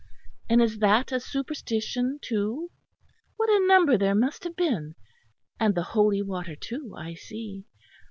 And is that a superstition, too? What a number there must have been! And the holy water, too, I see.